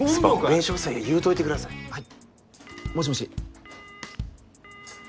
☎弁償せえ言うといてくださいはい？もしもし？